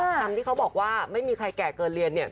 คำที่เขาบอกว่าไม่มีใครแก่เกินเรียนเนี่ย